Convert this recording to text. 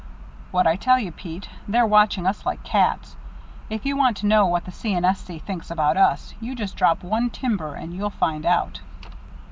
"What'd I tell you, Pete? They're watching us like cats. If you want to know what the C. & S. C. think about us, you just drop one timber and you'll find out."